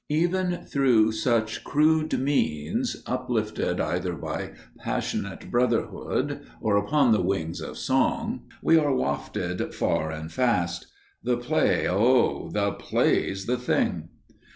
Even through such crude means, uplifted either by passionate brotherhood or upon the wings of song, we are wafted far and fast. The play, oh! the play's the thing!